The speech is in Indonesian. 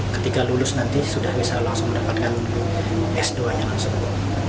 ketika lulus nanti sudah bisa langsung mendapatkan s dua nya langsung